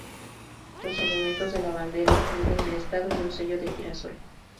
Los elementos de la bandera incluyen el estado y un sello de girasol.